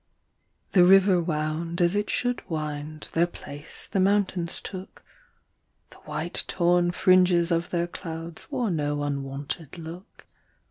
The river wound as it should wind; Their place the mountains took; The white torn fringes of their clouds Wore no unwonted look.